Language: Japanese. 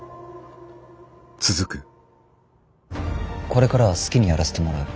これからは好きにやらせてもらう。